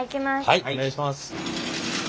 はいお願いします。